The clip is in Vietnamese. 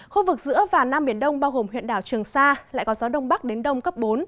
khu vực giữa và nam biển đông bao gồm huyện đảo trường sa lại có gió đông bắc đến đông cấp bốn